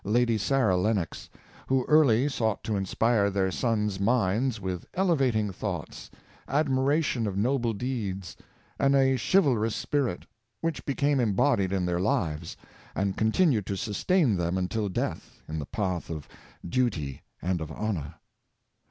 Lady Sarah Lennox, who ear ly sought to inspire their sons' minds with elevating thoughts, admiration of noble deeds, and a chivalrous spirit, which became embodied in their lives, and con 104 Brougham and Canning. tinned to sustain them, until death, in the path of duty and of honor.